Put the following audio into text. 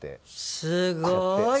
すごい！